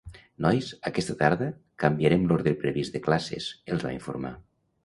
Nois, aquesta tarda canviarem l'ordre previst de classes —els va informar—.